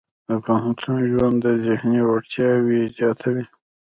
د پوهنتون ژوند د ذهني وړتیاوې زیاتوي.